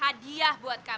hadiah buat kamu